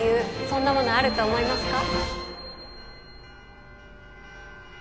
そんなものあると思いますか？